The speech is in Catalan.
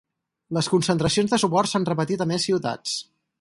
Les concentracions de suport s’han repetit a més ciutats.